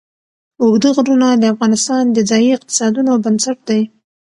اوږده غرونه د افغانستان د ځایي اقتصادونو بنسټ دی.